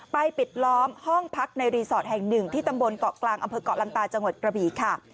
ปิดล้อมห้องพักในรีสอร์ทแห่งหนึ่งที่ตำบลเกาะกลางอำเภอกเกาะลันตาจังหวัดกระบีค่ะ